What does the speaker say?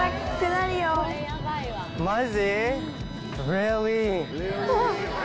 マジ？